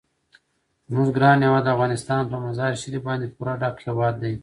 زموږ ګران هیواد افغانستان په مزارشریف باندې پوره ډک هیواد دی.